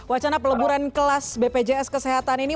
wacana peleburan kelas bpjs kesehatan ini